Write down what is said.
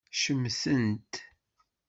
Cemtent.